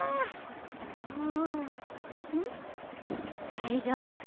大丈夫。